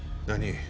何？